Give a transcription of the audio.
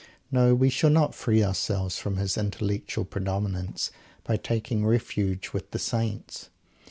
No, we shall not free ourselves from his intellectual predominance by taking refuge with the Saints.